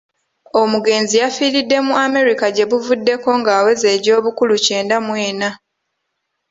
Omugenzi yafiiridde mu America gyebuvuddeko ng'aweza egy'obukulu kyenda mw'enna.